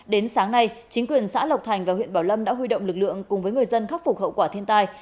đến sáng nay chính quyền xã lộc thành và huyện bảo lâm đã huy động lực lượng cùng với người dân khắc phục hậu quả thiên tai